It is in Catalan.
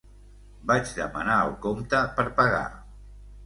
Vaig demanar el compte per pagar.